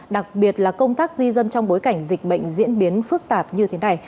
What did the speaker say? đặc biệt là công tác di dân trong bối cảnh dịch bệnh diễn biến phức tạp như thế này